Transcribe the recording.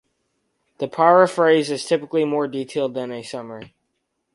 A paraphrase is typically more detailed than a summary.